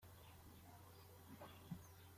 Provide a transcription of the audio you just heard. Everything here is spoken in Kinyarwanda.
Buriya wabonaga naguca iki kizima ukora?